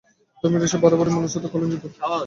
ধর্মের এইসব বাড়াবাড়ির মূলোচ্ছেদ করলেন বুদ্ধ।